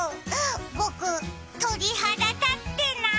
僕、鳥肌立ってない？